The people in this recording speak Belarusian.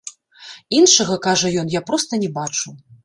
Іншага, кажа ён, я проста не бачу.